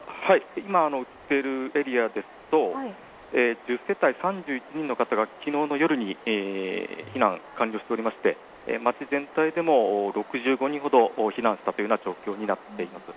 今、映っているエリアですと１０世帯３１人の方が昨日の夜に避難が完了しておりまして町全体でも６５人ほど避難したという状況になっています。